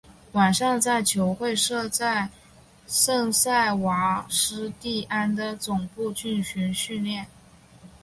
晚上在球会设在圣塞瓦斯蒂安的总部进行训练。